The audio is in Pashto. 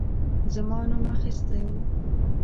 زما نوم اخیستی وو.